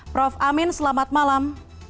prof amin selamat malam